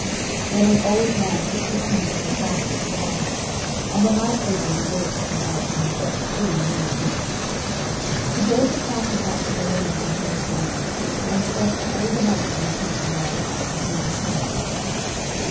Then an old man took the keys of the castle to Galahad. And the knight opened the gates of the castle, and set free many prisoners. He gave the castle back to the maiden to whom it belonged, and sent for all the knights in the country round about to do her homage.